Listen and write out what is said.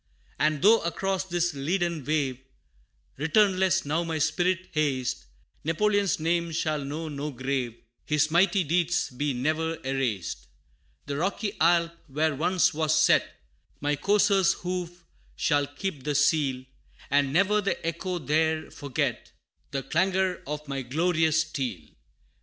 And though across this leaden wave, Returnless now my spirit haste, Napoleon's name shall know no grave, His mighty deeds be ne'er erased. The rocky Alp, where once was set My courser's hoof, shall keep the seal, And ne'er the echo there forget The clangor of my glorious steel.